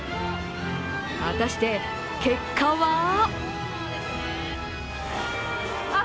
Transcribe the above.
果たして、結果は？